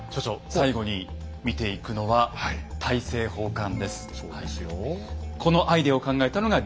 最後に見ていくのは大政奉還です。